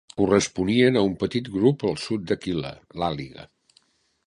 Corresponien a un petit grup al sud d'Aquila, l'àliga